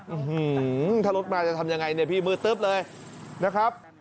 อืมถ้ารถมาจะทำยังไงเนี่ยพี่มือตึ๊บเลยนะครับ